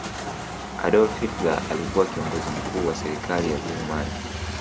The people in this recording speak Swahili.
adolf hitler alikuwa kiongozi mkuu wa serikali ya ujerumani